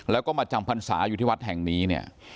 แล้วก็มาจำพรรษาอยู่ที่วัดแห่งนี้เนี่ย